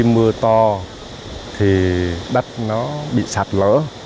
mưa to thì đất nó bị sạt lở